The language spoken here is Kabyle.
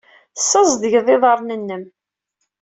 Tessazedgeḍ iḍarren-nnem.